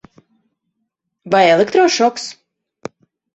Vai elektrošoks?